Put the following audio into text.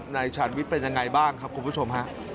ในช่ารวิทย์เป็นยังไงบ้างคุณผู้ชมครับ